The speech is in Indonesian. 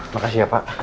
makasih ya pak